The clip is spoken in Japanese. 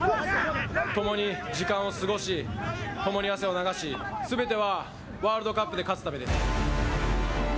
共に時間を過ごし共に汗を流しすべてはワールドカップで勝つためです。